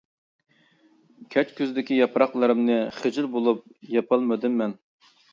كەچكۈزدىكى ياپراقلىرىمنى، خىجىل بولۇپ ياپالمىدىم مەن.